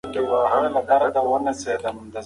تولید د توکو ارزښت زیاتوي.